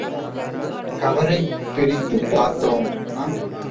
கவரைப் பிரித்துப் பார்த்தோம்.